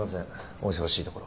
お忙しいところ。